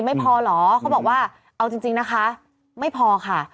ไม่พอเหรอเขาบอกว่าเอาจริงนะคะไม่พอค่ะ